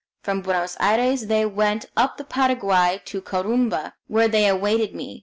From Buenos Aires they went up the Paraguay to Corumba, where they awaited me.